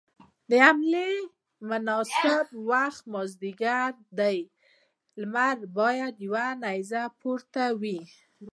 د حملې مناسب وخت مازديګر دی، لمر بايد يوه نيزه پورته وي.